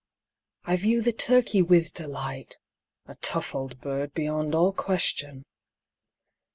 _) I view the turkey with delight, (_A tough old bird beyond all question!